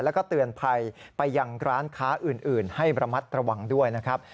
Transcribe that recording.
แล้วก็เตือนภัยไปยังร้านค้าอื่นให้ระมัดระวังด้วยนะครับ